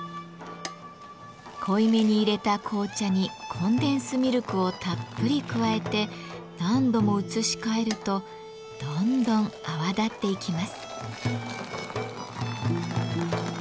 濃い目にいれた紅茶にコンデンスミルクをたっぷり加えて何度も移し替えるとどんどん泡立っていきます。